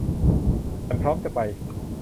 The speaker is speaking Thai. ฉันพร้อมจะไป